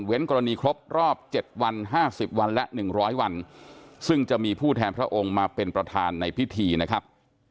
กรณีครบรอบ๗วัน๕๐วันและ๑๐๐วันซึ่งจะมีผู้แทนพระองค์มาเป็นประธานในพิธีนะครับ